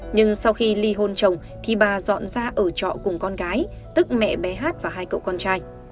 nhưng sau khi ly hôn trồng thì bà dọn ra ở trọ cùng con gái tức mẹ bé hát và hai cậu con trai